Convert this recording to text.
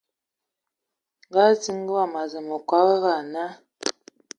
Nga nziziŋ wama o azu ma kɔb va ana.